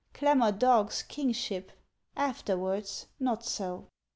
. Clamour dogs kingship; afterwards not so!"